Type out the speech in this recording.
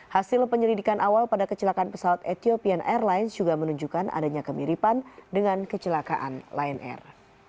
hasil penyelidikan awal pada kecelakaan pesawat ethiopian airlines juga menunjukkan adanya kemiripan dengan kecelakaan lion air